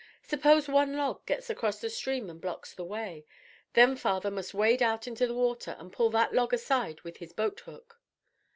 Suppose one log gets across the stream and blocks the way? Then father must wade out into the water and pull that log aside with his boat hook.